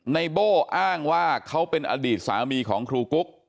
ในโบ้อ้างว่าเขาเป็นอดีตสามีของครูกุ๊ก